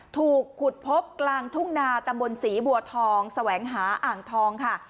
ถูกขุดพบกลางทุ่งนาตำบลศรีบัวทองแสวงหาอ่างทองค่ะ